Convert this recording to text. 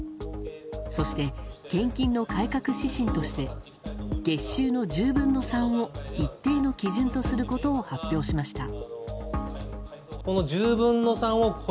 そして、献金の改革指針として月収の１０分の３を一定の基準とすることを発表しました。